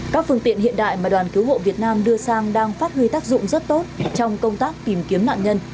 các phương tiện hiện đại mà đoàn cứu hộ việt nam đưa sang đang phát huy tác dụng rất tốt trong công tác tìm kiếm nạn nhân